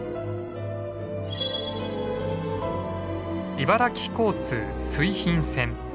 茨城交通水浜線。